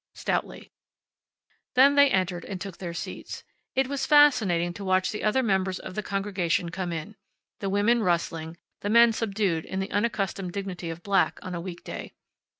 stoutly. And they entered, and took their seats. It was fascinating to watch the other members of the congregation come in, the women rustling, the men subdued in the unaccustomed dignity of black on a week day.